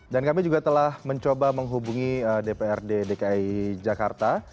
dan kami juga telah mencoba menghubungi dprd dki jakarta